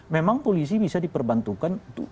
memang polisi bisa diperbantukan